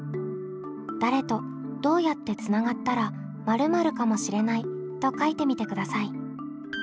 誰とどうやってつながったら○○かもしれないと書いてみてください。